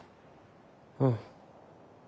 うん。